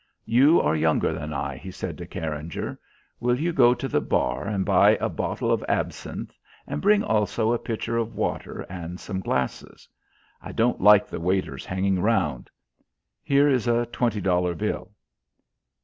"You are younger than I," he said to Carringer. "Will you go to the bar and buy a bottle of absinthe, and bring also a pitcher of water and some glasses? I don't like the waiters hanging round. Here is a twenty dollar bill."